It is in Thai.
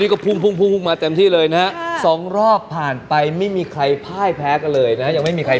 ก็ปรุงมาเสียที่เลยนะสองรอบผ่านไปไม่มีใครพ้ายแพ้กันเลยนะยังไม่มีใคร